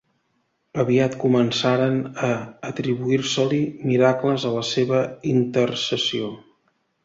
Aviat començaren a atribuir-se-li miracles a la seva intercessió.